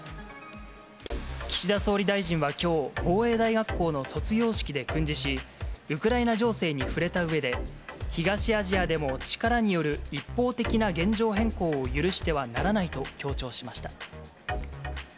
岸田総理大臣はきょう、防衛大学校の卒業式で訓示し、ウクライナ情勢に触れたうえで、東アジアでも力による一方的な現状変更を許してはならないと強調しました。